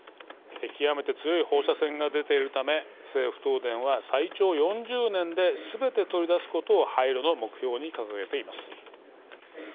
極めて強い放射線が出ているため政府・東電は最長４０年ですべて取り出すことを廃炉の目標に掲げています。